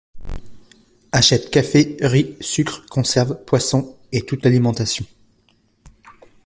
Achète café, riz, sucres, conserves, poissons, et toute l'alimentation.